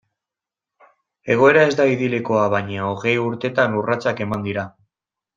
Egoera ez da idilikoa, baina hogei urtetan urratsak eman dira.